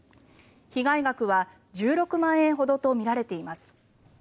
被害額は１６万円ほどとみられています。